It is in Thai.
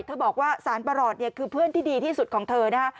บอกว่าสารประหลอดเนี่ยคือเพื่อนที่ดีที่สุดของเธอนะฮะ